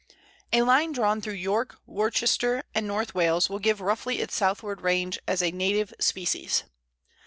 A line drawn through York, Worcester, and North Wales will give roughly its southward range as a native species.